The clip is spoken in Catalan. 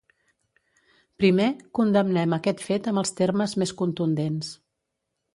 Primer, condemnem aquest fet amb els termes més contundents.